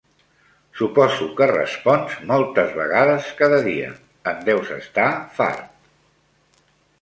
Suposo que respons moltes vegades cada dia, en deus estar fart.